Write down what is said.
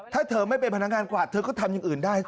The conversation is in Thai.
ถ้าเธอไม่เป็นพนักงานกวาดเธอก็ทำอย่างอื่นได้